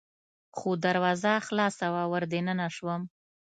خو دروازه خلاصه وه، ور دننه شوم.